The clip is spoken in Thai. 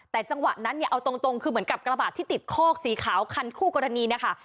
แต่จังหวะนั้นเนี่ยเอาตรงคือเหมือนกับกระบาดที่ติดคอกสีขาวคันคู่กรณีเนี่ยค่ะ